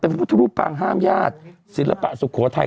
เป็นพระพุทธรูปปางห้ามญาติศิลปะสุขโทษไทย